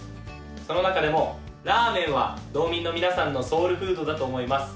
その中でもラーメンは道民の皆さんのソウルフードだと思います。